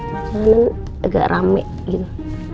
jalanan agak rame gitu